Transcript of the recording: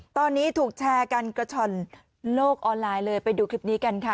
ตอนนี้ถูกแชร์กันกระช่อนโลกออนไลน์เลยไปดูคลิปนี้กันค่ะ